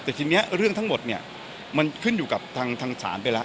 แต่ทีนี้เรื่องทั้งหมดเนี่ยมันขึ้นอยู่กับทางศาลไปแล้ว